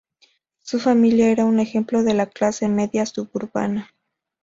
Su familia era un ejemplo de la clase media suburbana.